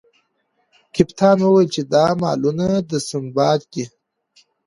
کپتان وویل چې دا مالونه د سنباد دي.